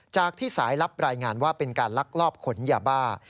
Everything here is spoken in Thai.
จากที่สายลับรายงานว่าเป็นการลักลอบขนยาบ้า